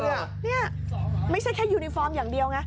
นี่ไม่ใช่แค่ยูนิฟอร์มอย่างเดียวไง